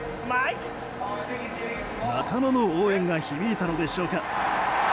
仲間の応援が響いたのでしょうか。